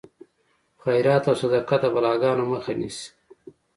خیرات او صدقه د بلاګانو مخه نیسي.